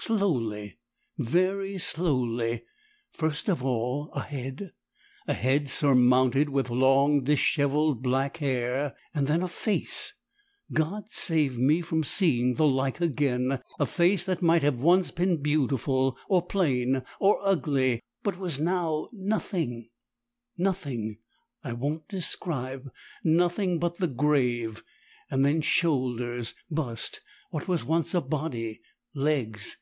Slowly, very slowly, first of all a head, a head surmounted with long dishevelled black hair, then a FACE! God save me from seeing the like again a face that might have once been beautiful, or plain, or ugly, but was now NOTHING nothing I won't describe nothing but the GRAVE; then shoulders, bust, what was once a body, legs.